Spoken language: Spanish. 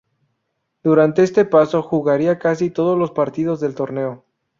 Durante este paso jugaría casi todos los partidos del torneo.